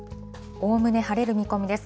おおむね晴れる見込みです。